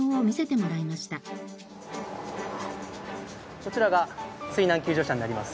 こちらが水難救助車になります。